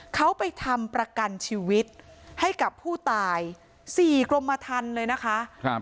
เขาไปทำประกันชีวิตให้กับผู้ตายสี่กรมธรรมเลยนะคะครับ